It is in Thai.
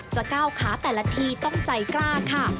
จะก้าวขาแต่ละทีต้องใจกล้าค่ะ